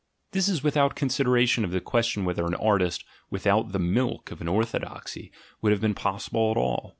(This is without consideration of the question whether an artist without the milk * of an orthodoxy would have been possible at all.)